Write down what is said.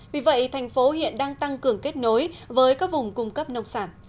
vì vậy thành phố hiện đang tăng cường kết nối với các vùng cung cấp nông sản